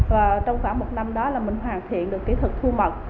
và đồng thời hoàn thiện được kỹ thuật thu mật